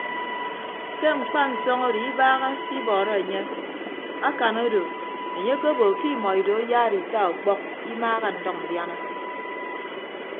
Ke mkpansọñ odo ibaaha se ibọọrọ enye akan odo enye akebo ke imọ ido ayaara ita ọkpọk imaaha ndʌñ ndiana.